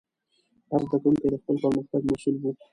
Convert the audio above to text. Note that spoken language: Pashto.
هر زده کوونکی د خپل پرمختګ مسؤل و.